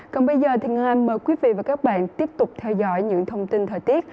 còn bây giờ thì mời quý vị và các bạn tiếp tục theo dõi những thông tin thời tiết